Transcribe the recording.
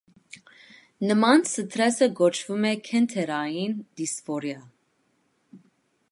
Նման սթրեսը կոչվում է գենդերային դիսֆորիա։